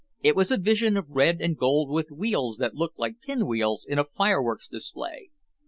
It was a vision of red and gold with wheels that looked like pinwheels in a fireworks display.